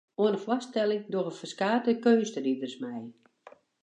Oan de foarstelling dogge ferskate keunstriders mei.